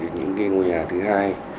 những cái ngôi nhà thứ hai